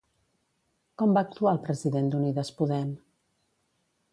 Com va actuar el president d'Unides Podem?